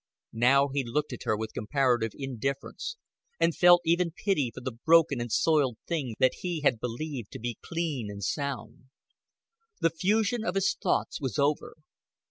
Now he looked at her with comparative indifference, and felt even pity for the broken and soiled thing that he had believed to be clean and sound. The fusion of his thoughts was over.